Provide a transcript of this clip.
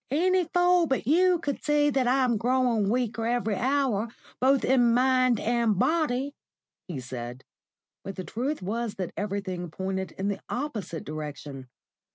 "Any fool but you could see that I'm growing weaker every hour, both in mind and body," he said; but the truth was that everything pointed in the opposite direction.